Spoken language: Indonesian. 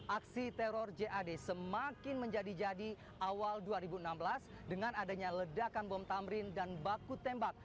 aksi teror jad semakin menjadi jadi awal dua ribu enam belas dengan adanya ledakan bom tamrin dan baku tembak